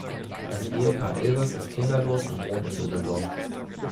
Das Ehepaar Elbers ist kinderlos und wohnt in Düsseldorf.